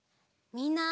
みんな！